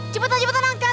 cepetan cepetan angkat